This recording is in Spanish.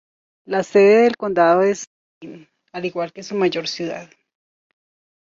La sede del condado es Seguin, al igual que su mayor ciudad.